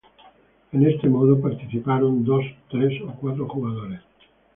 En este modo participan dos, tres o cuatro jugadores.